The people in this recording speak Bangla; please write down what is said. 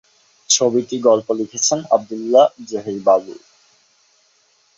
ছবিটি গল্প লিখেছেন আব্দুল্লাহ জহির বাবু।